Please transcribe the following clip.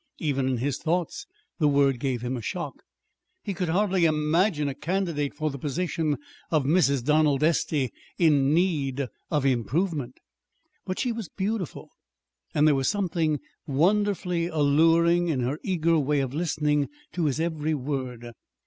(Even in his thoughts the word gave him a shock: he could hardly imagine a candidate for the position of Mrs. Donald Estey in need of improvement!) But she was beautiful, and there was something wonderfully alluring in her eager way of listening to his every word.